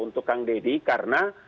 untuk kang deddy karena